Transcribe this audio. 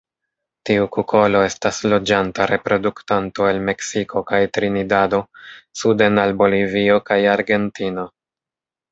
Tiu kukolo estas loĝanta reproduktanto el Meksiko kaj Trinidado suden al Bolivio kaj Argentino.